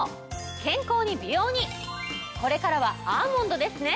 健康に美容にこれからはアーモンドですね！